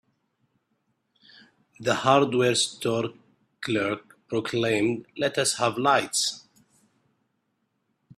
The hardware store clerk proclaimed, "Let us have lights!"